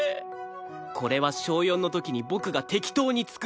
これは小４の時に僕が適当に作った力作